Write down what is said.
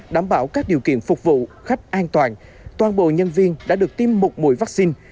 đảm bảo các điều kiện phục vụ khách an toàn toàn bộ nhân viên đã được tiêm một mũi vaccine